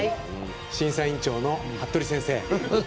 審査員長の服部先生。